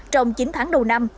trong chín tháng đầu năm